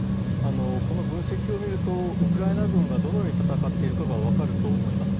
この分析を見るとウクライナ軍がどのように戦っているか分かると思います。